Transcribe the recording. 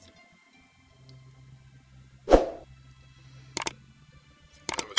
setiap senulun buat